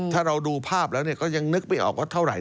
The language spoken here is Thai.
ถ้าเราดูภาพแล้วก็ยังนึกไม่ออกว่าเท่าไห